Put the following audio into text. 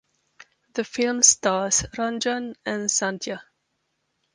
The film stars Ranjan and Sandhya.